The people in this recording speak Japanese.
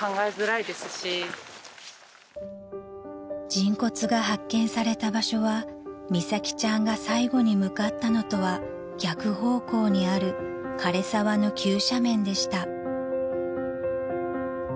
［人骨が発見された場所は美咲ちゃんが最後に向かったのとは逆方向にある枯れ沢の急斜面でした］